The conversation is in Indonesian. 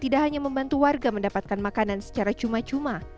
tidak hanya membantu warga mendapatkan makanan secara cuma cuma